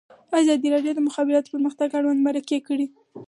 ازادي راډیو د د مخابراتو پرمختګ اړوند مرکې کړي.